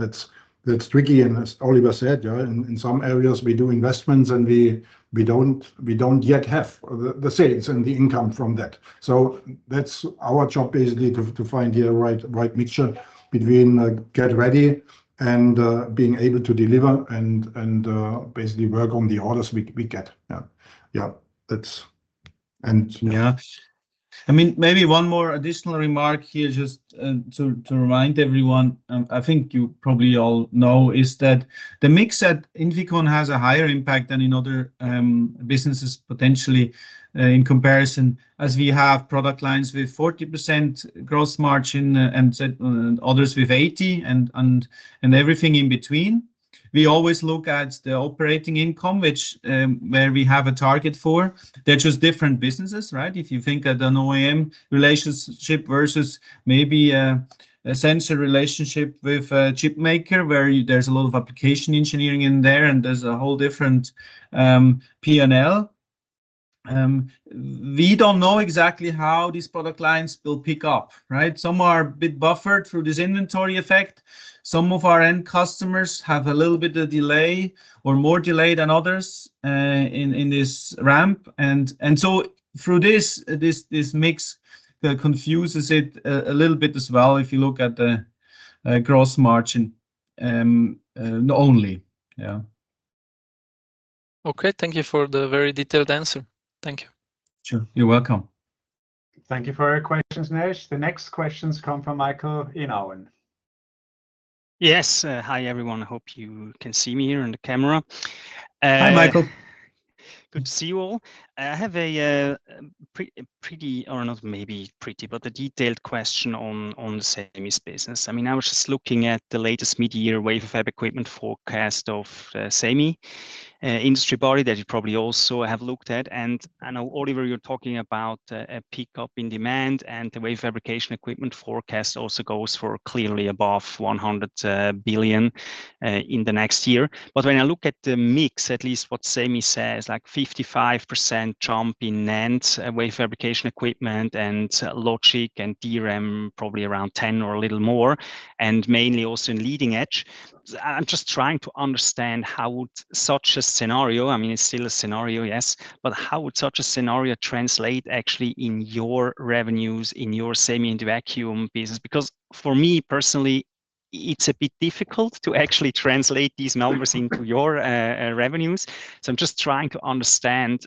that's tricky. And as Oliver said, in some areas, we do investments, and we don't yet have the sales and the income from that. So that's our job, basically, to find the right mixture between get ready and being able to deliver and basically work on the orders we get. Yeah, that's. And yeah, I mean, maybe one more additional remark here just to remind everyone. I think you probably all know is that the mix at INFICON has a higher impact than in other businesses potentially in comparison as we have product lines with 40% gross margin and others with 80% and everything in between. We always look at the operating income, which where we have a target for. They're just different businesses, right? If you think at an OEM relationship versus maybe a sensor relationship with a chipmaker where there's a lot of application engineering in there and there's a whole different P&L. We don't know exactly how these product lines will pick up, right? Some are a bit buffered through this inventory effect. Some of our end customers have a little bit of delay or more delay than others in this ramp. And so through this, this mix confuses it a little bit as well if you look at the gross margin only. Yeah. Okay, thank you for the very detailed answer. Thank you. Sure, you're welcome. Thank you for your questions, Nejc. The next questions come from Michael Inauen. Yes, hi everyone. I hope you can see me here on the camera. Hi, Michael. Good to see you all. I have a pretty, or not maybe pretty, but a detailed question on the semi business. I mean, I was just looking at the latest mid-year wafer fab equipment forecast of the semi industry body that you probably also have looked at. And I know Oliver, you're talking about a pickup in demand, and the wafer fab equipment forecast also goes for clearly above $100 billion in the next year. When I look at the mix, at least what semi says, like 55% jump in NAND wafer fabrication equipment and logic and DRAM, probably around 10 or a little more, and mainly also in leading edge. I'm just trying to understand how would such a scenario, I mean, it's still a scenario, yes, but how would such a scenario translate actually in your revenues, in your semi and vacuum business? Because for me personally, it's a bit difficult to actually translate these numbers into your revenues. So I'm just trying to understand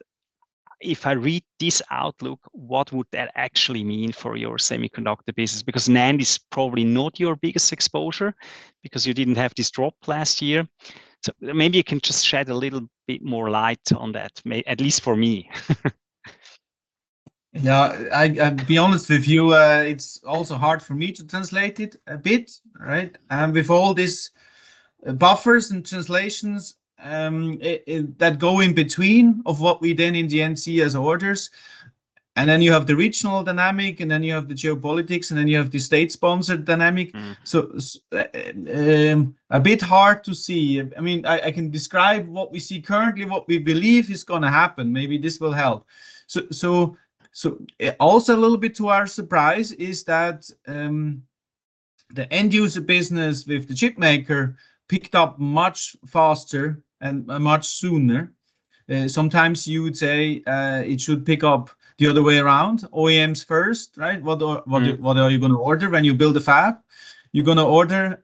if I read this outlook, what would that actually mean for your semiconductor business? Because NAND is probably not your biggest exposure because you didn't have this drop last year. So maybe you can just shed a little bit more light on that, at least for me. Yeah, I'll be honest with you, it's also hard for me to translate it a bit, right? With all these buffers and translations that go in between of what we then in the end see as orders. And then you have the regional dynamic, and then you have the geopolitics, and then you have the state-sponsored dynamic. So a bit hard to see. I mean, I can describe what we see currently, what we believe is going to happen. Maybe this will help. So also a little bit to our surprise is that the end user business with the chipmaker picked up much faster and much sooner. Sometimes you would say it should pick up the other way around, OEMs first, right? What are you going to order when you build a fab? You're going to order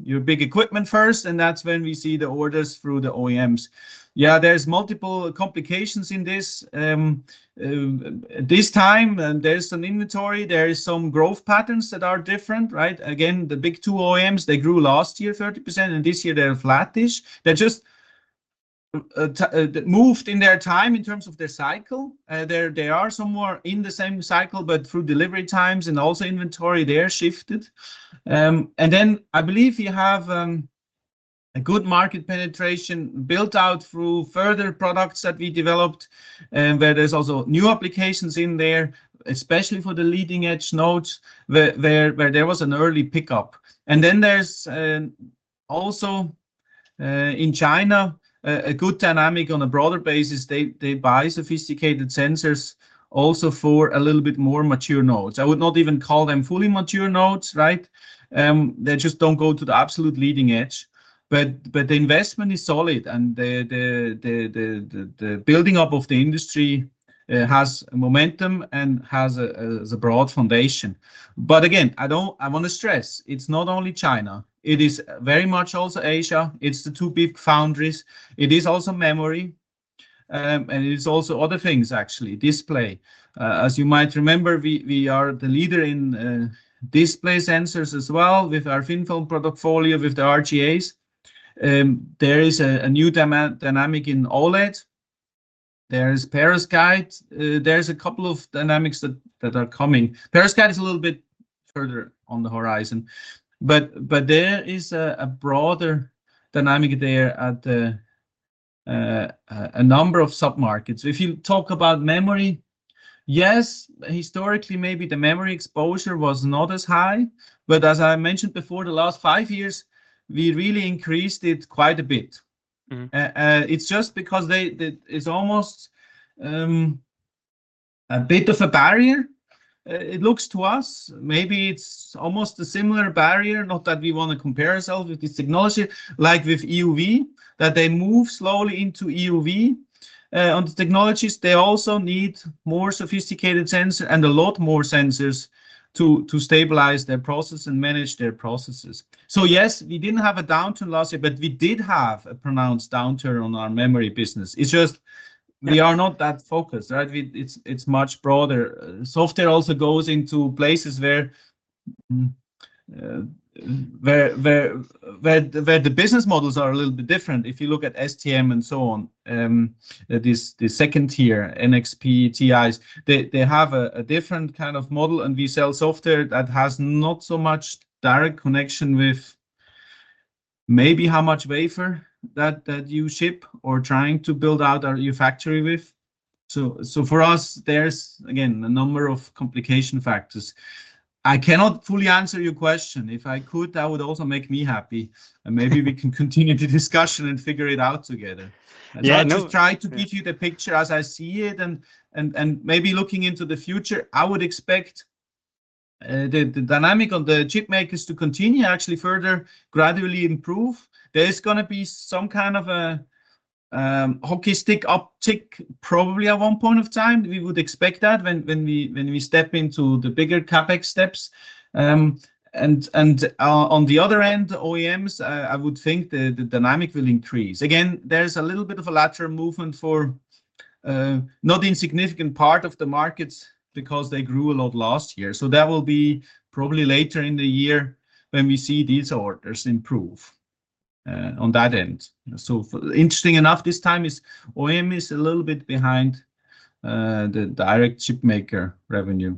your big equipment first, and that's when we see the orders through the OEMs. Yeah, there's multiple complications in this. This time, there's an inventory. There are some growth patterns that are different, right? Again, the big two OEMs, they grew last year 30%, and this year they're flatish. They just moved in their time in terms of their cycle. They are somewhere in the same cycle, but through delivery times and also inventory, they're shifted. And then I believe you have a good market penetration built out through further products that we developed where there's also new applications in there, especially for the leading edge nodes where there was an early pickup. And then there's also in China a good dynamic on a broader basis. They buy sophisticated sensors also for a little bit more mature nodes. I would not even call them fully mature nodes, right? They just don't go to the absolute leading edge. But the investment is solid, and the building up of the industry has momentum and has a broad foundation. But again, I want to stress, it's not only China. It is very much also Asia. It's the two big foundries. It is also memory, and it's also other things, actually, display. As you might remember, we are the leader in display sensors as well with our thin-film portfolio with the RGAs. There is a new dynamic in OLED. There is Periscope. There's a couple of dynamics that are coming. Periscope is a little bit further on the horizon. But there is a broader dynamic there at a number of sub-markets. If you talk about memory, yes, historically, maybe the memory exposure was not as high. But as I mentioned before, the last five years, we really increased it quite a bit. It's just because it's almost a bit of a barrier. It looks to us. Maybe it's almost a similar barrier, not that we want to compare ourselves with this technology, like with EUV, that they move slowly into EUV. On the technologies, they also need more sophisticated sensors and a lot more sensors to stabilize their process and manage their processes. So yes, we didn't have a downturn last year, but we did have a pronounced downturn on our memory business. It's just we are not that focused, right? It's much broader. Software also goes into places where the business models are a little bit different. If you look at STM and so on, the second tier, NXP, TI, they have a different kind of model, and we sell software that has not so much direct connection with maybe how much wafer that you ship or trying to build out your factory with. So for us, there's, again, a number of complication factors. I cannot fully answer your question. If I could, that would also make me happy. Maybe we can continue the discussion and figure it out together. I just try to give you the picture as I see it. Maybe looking into the future, I would expect the dynamic on the chipmakers to continue, actually further gradually improve. There's going to be some kind of a hockey stick uptick probably at one point of time. We would expect that when we step into the bigger CapEx steps. On the other end, OEMs, I would think the dynamic will increase. Again, there's a little bit of a lateral movement for not an insignificant part of the markets because they grew a lot last year. So that will be probably later in the year when we see these orders improve on that end. So, interesting enough, this time OEM is a little bit behind the direct chipmaker revenue.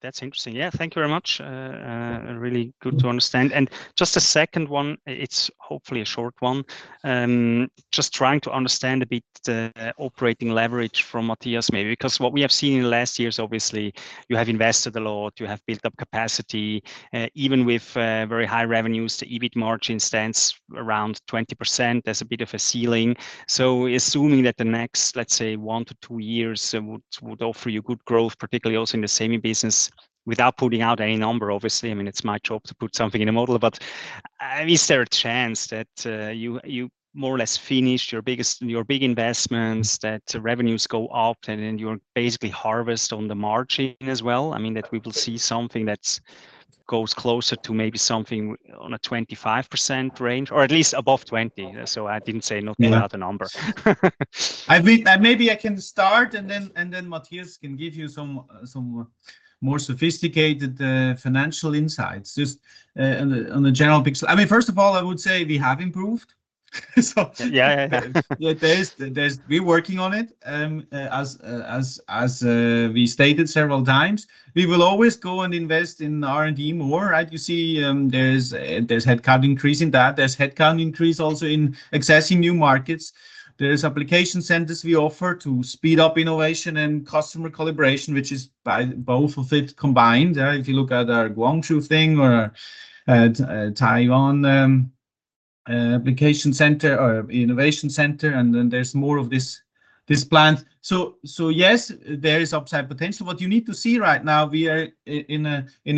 That's interesting. Yeah, thank you very much. Really good to understand. Just a second one, it's hopefully a short one. Just trying to understand a bit the operating leverage from Matthias maybe because what we have seen in the last year is obviously you have invested a lot, you have built up capacity. Even with very high revenues, the EBIT margin stands around 20%. There's a bit of a ceiling. So assuming that the next, let's say, 1-2 years would offer you good growth, particularly also in the semi business without putting out any number, obviously, I mean, it's my job to put something in a model, but is there a chance that you more or less finish your big investments, that revenues go up, and then you're basically harvest on the margin as well? I mean, that we will see something that goes closer to maybe something on a 25% range or at least above 20. So I didn't say nothing about the number. Maybe I can start, and then Matthias can give you some more sophisticated financial insights just on the general picture. I mean, first of all, I would say we have improved. Yeah, yeah, yeah. We're working on it. As we stated several times, we will always go and invest in R&D more, right? You see there's headcount increase in that. There's headcount increase also in accessing new markets. There's application centers we offer to speed up innovation and customer collaboration, which is both of it combined. If you look at our Guangzhou thing or Taiwan application center or innovation center, and then there's more of this plant. So yes, there is upside potential. What you need to see right now, we are in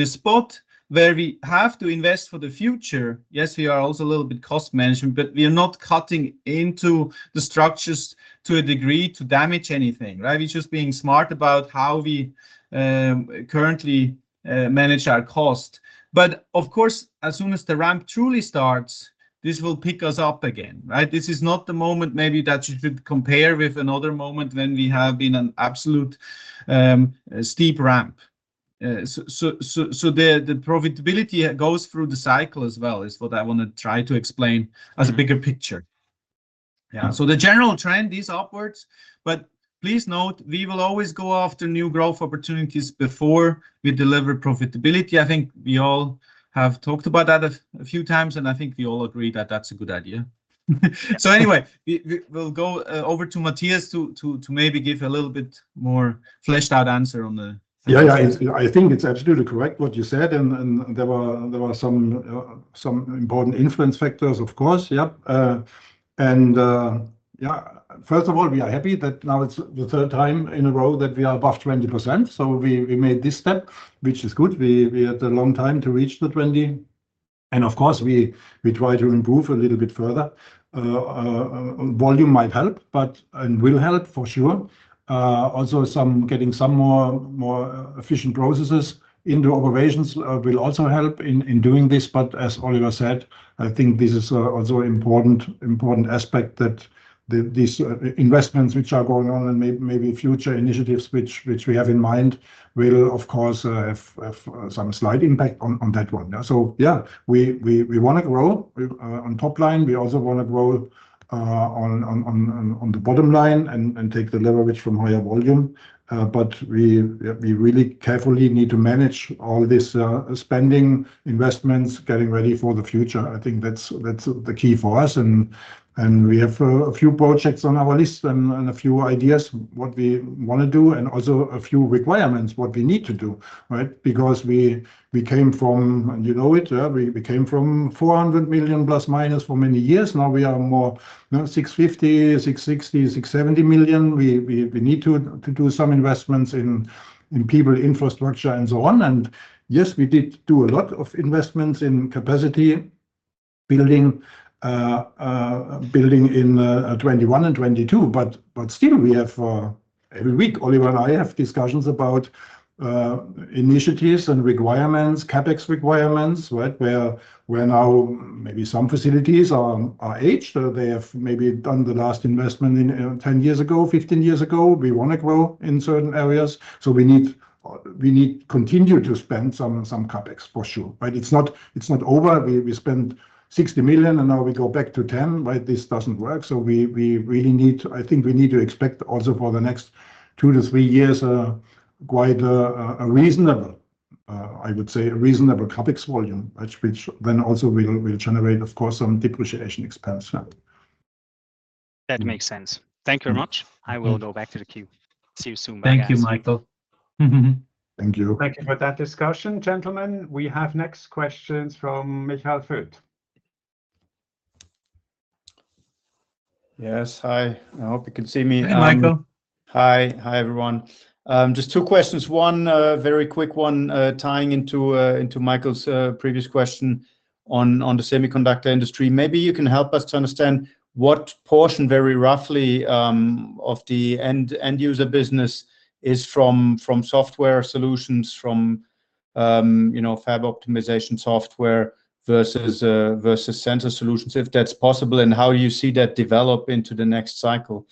a spot where we have to invest for the future. Yes, we are also a little bit cost management, but we are not cutting into the structures to a degree to damage anything, right? We're just being smart about how we currently manage our cost. But of course, as soon as the ramp truly starts, this will pick us up again, right? This is not the moment maybe that you should compare with another moment when we have been an absolute steep ramp. So the profitability goes through the cycle as well is what I want to try to explain as a bigger picture. Yeah, so the general trend is upwards, but please note, we will always go after new growth opportunities before we deliver profitability. I think we all have talked about that a few times, and I think we all agree that that's a good idea. So anyway, we'll go over to Matthias to maybe give a little bit more fleshed out answer on the. Yeah, yeah, I think it's absolutely correct what you said, and there were some important influence factors, of course. Yep. And yeah, first of all, we are happy that now it's the third time in a row that we are above 20%. So we made this step, which is good. We had a long time to reach the 20. Of course, we try to improve a little bit further. Volume might help, and will help for sure. Also getting some more efficient processes into operations will also help in doing this. But as Oliver said, I think this is also an important aspect that these investments which are going on and maybe future initiatives which we have in mind will, of course, have some slight impact on that one. So yeah, we want to grow on top line. We also want to grow on the bottom line and take the leverage from higher volume. But we really carefully need to manage all this spending, investments, getting ready for the future. I think that's the key for us. And we have a few projects on our list and a few ideas what we want to do and also a few requirements what we need to do, right? Because we came from, you know it, we came from $400 million ± for many years. Now we are more $650-$670 million. We need to do some investments in people, infrastructure, and so on. And yes, we did do a lot of investments in capacity building in 2021 and 2022. But still, we have every week, Oliver and I have discussions about initiatives and requirements, CapEx requirements, right? Where now maybe some facilities are aged. They have maybe done the last investment 10 years ago, 15 years ago. We want to grow in certain areas. So we need to continue to spend some CapEx for sure, right? It's not over. We spent 60 million, and now we go back to 10 million, right? This doesn't work. So we really need, I think we need to expect also for the next 2 to 3 years quite a reasonable, I would say, a reasonable CapEx volume, which then also will generate, of course, some depreciation expense. That makes sense. Thank you very much. I will go back to the queue. See you soon. Thank you, Michael. Thank you. Thank you for that discussion, gentlemen. We have next questions from Michael Foeth. Yes, hi. I hope you can see me. Hey, Michael. Hi, hi everyone. Just two questions. One very quick one tying into Michael's previous question on the semiconductor industry. Maybe you can help us to understand what portion, very roughly, of the end user business is from software solutions, from fab optimization software versus sensor solutions, if that's possible, and how you see that develop into the next cycle.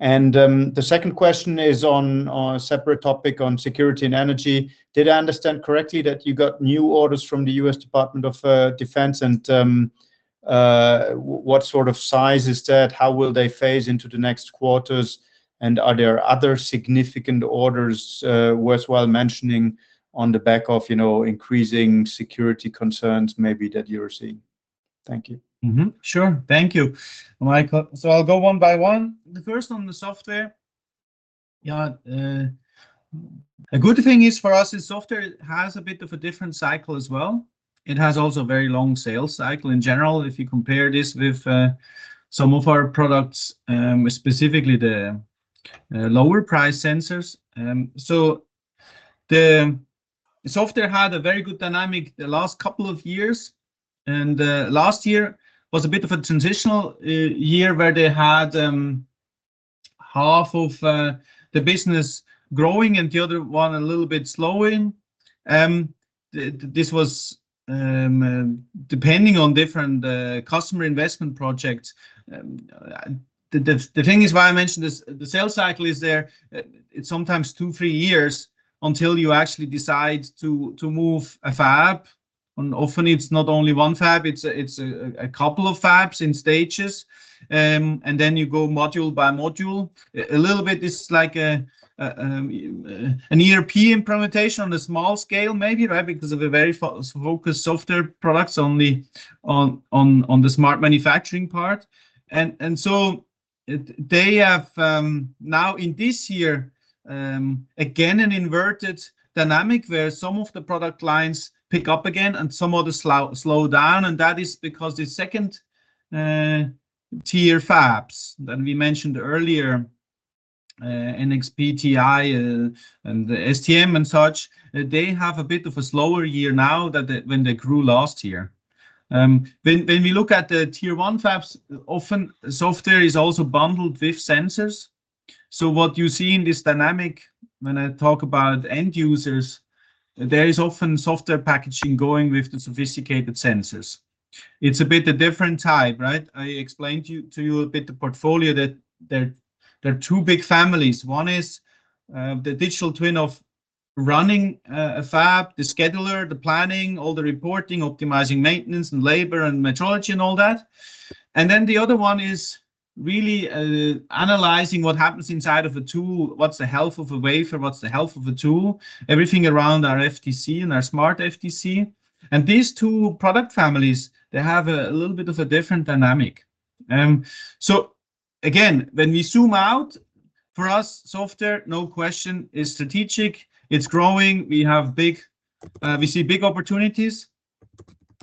And the second question is on a separate topic on security and energy. Did I understand correctly that you got new orders from the U.S. Department of Defense? And what sort of size is that? How will they phase into the next quarters? And are there other significant orders worthwhile mentioning on the back of increasing security concerns maybe that you're seeing? Thank you. Sure. Thank you, Michael. So I'll go one by one. The first on the software. Yeah. A good thing is for us is software has a bit of a different cycle as well. It has also a very long sales cycle in general. If you compare this with some of our products, specifically the lower-priced sensors. So the software had a very good dynamic the last couple of years. And last year was a bit of a transitional year where they had half of the business growing and the other one a little bit slowing. This was depending on different customer investment projects. The thing is why I mentioned is the sales cycle is there. It's sometimes 2, 3 years until you actually decide to move a fab. And often it's not only 1 fab. It's a couple of fabs in stages. And then you go module by module. A little bit is like an ERP implementation on a small scale maybe, right? Because of a very focused software products only on the smart manufacturing part. They have now in this year, again, an inverted dynamic where some of the product lines pick up again and some others slow down. That is because the second-tier fabs that we mentioned earlier, NXP, TI, and the STM and such, they have a bit of a slower year now than when they grew last year. When we look at the tier-one fabs, often software is also bundled with sensors. So what you see in this dynamic, when I talk about end users, there is often software packaging going with the sophisticated sensors. It's a bit a different type, right? I explained to you a bit the portfolio that there are two big families. One is the digital twin of running a fab, the scheduler, the planning, all the reporting, optimizing maintenance and labor and metrology and all that. And then the other one is really analyzing what happens inside of a tool, what's the health of a wafer, what's the health of a tool, everything around our FDC and our SmartFDC. And these two product families, they have a little bit of a different dynamic. So again, when we zoom out, for us, software, no question, is strategic. It's growing. We see big opportunities.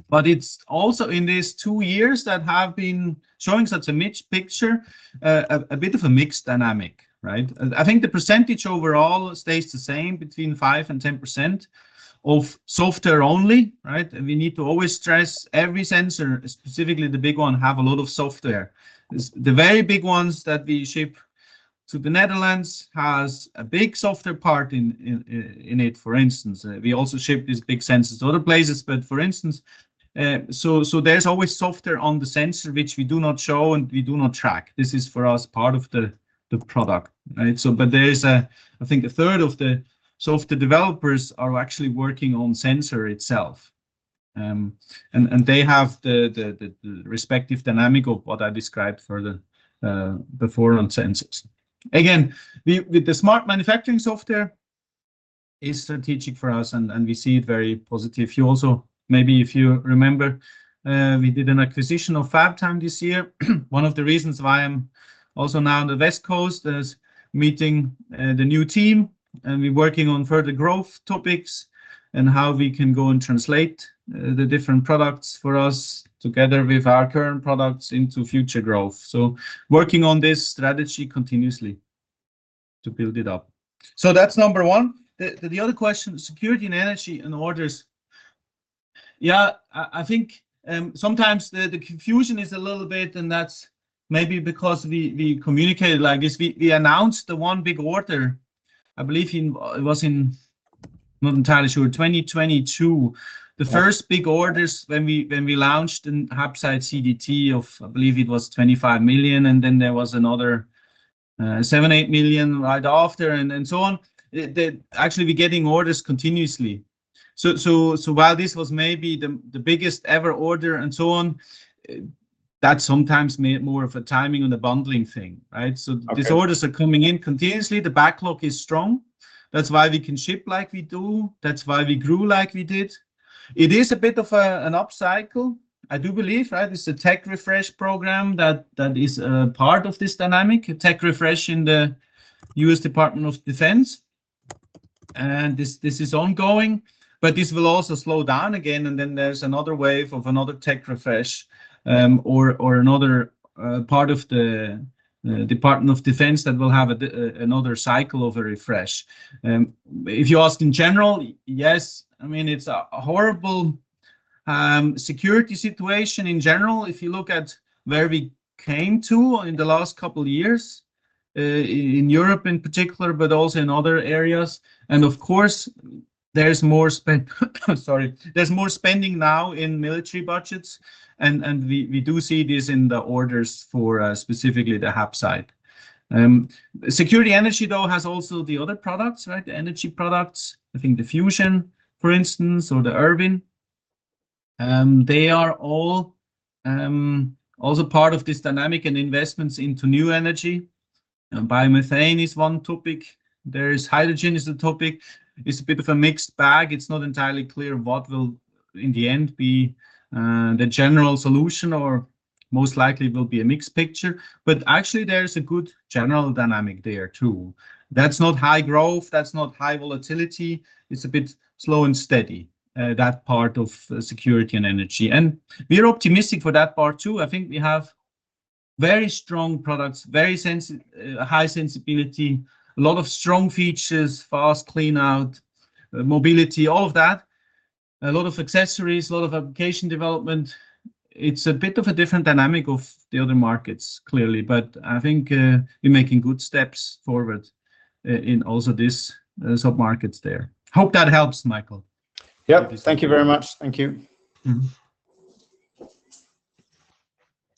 But it's also in these two years that have been showing such a mixed picture, a bit of a mixed dynamic, right? I think the percentage overall stays the same between 5% and 10% of software only, right? We need to always stress every sensor, specifically the big one, have a lot of software. The very big ones that we ship to the Netherlands have a big software part in it, for instance. We also ship these big sensors to other places. But for instance, so there's always software on the sensor, which we do not show and we do not track. This is for us part of the product. But there is, I think, a third of the software developers are actually working on sensor itself. And they have the respective dynamic of what I described further before on sensors. Again, with the smart manufacturing software, it's strategic for us, and we see it very positive. You also, maybe if you remember, we did an acquisition of FabTime this year. One of the reasons why I'm also now on the West Coast is meeting the new team, and we're working on further growth topics and how we can go and translate the different products for us together with our current products into future growth. So working on this strategy continuously to build it up. So that's number one. The other question, security and energy and orders. Yeah, I think sometimes the confusion is a little bit, and that's maybe because we communicated like this. We announced the one big order, I believe it was in, not entirely sure, 2022. The first big orders when we launched in HAPSITE CDT of, I believe it was $25 million, and then there was another $7-$8 million right after and so on. Actually, we're getting orders continuously. So while this was maybe the biggest ever order and so on, that's sometimes more of a timing on the bundling thing, right? So these orders are coming in continuously. The backlog is strong. That's why we can ship like we do. That's why we grew like we did. It is a bit of an upcycle, I do believe, right? It's a tech refresh program that is part of this dynamic, a tech refresh in the U.S. Department of Defense. And this is ongoing, but this will also slow down again. And then there's another wave of another tech refresh or another part of the Department of Defense that will have another cycle of a refresh. If you ask in general, yes, I mean, it's a horrible security situation in general. If you look at where we came to in the last couple of years in Europe in particular, but also in other areas. And of course, there's more spending. Sorry, there's more spending now in military budgets. And we do see this in the orders for specifically the HAPSITE. Security and energy, though, has also the other products, right? The energy products, I think the Fusion, for instance, or the IRwin, they are all also part of this dynamic and investments into new energy. Biomethane is one topic. There is hydrogen is the topic. It's a bit of a mixed bag. It's not entirely clear what will in the end be the general solution or most likely will be a mixed picture. But actually, there's a good general dynamic there too. That's not high growth. That's not high volatility. It's a bit slow and steady, that part of security and energy. And we are optimistic for that part too. I think we have very strong products, very high sensitivity, a lot of strong features, fast clean out, mobility, all of that, a lot of accessories, a lot of application development. It's a bit of a different dynamic of the other markets, clearly. But I think we're making good steps forward in also these submarkets there. Hope that helps, Michael. Yep. Thank you very much. Thank you.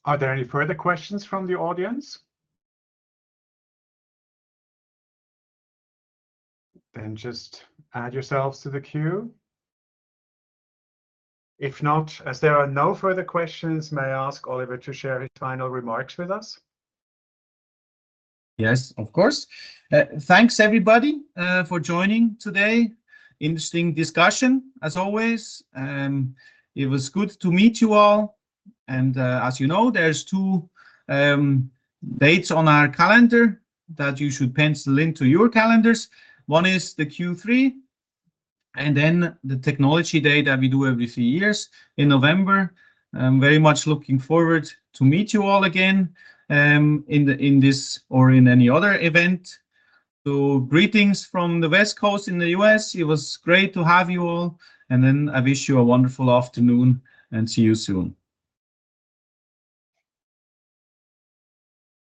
Are there any further questions from the audience? Then just add yourselves to the queue. If not, as there are no further questions, may I ask Oliver to share his final remarks with us? Yes, of course. Thanks, everybody, for joining today. Interesting discussion, as always. It was good to meet you all. And as you know, there's two dates on our calendar that you should pencil into your calendars. One is the Q3, and then the technology day that we do every few years in November. I'm very much looking forward to meet you all again in this or in any other event. So greetings from the West Coast in the US. It was great to have you all. I wish you a wonderful afternoon and see you soon.